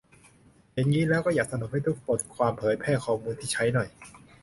เห็นงี้แล้วก็อยากสนับสนุนให้ทุกบทความเผยแพร่ข้อมูลที่ใช้หน่อย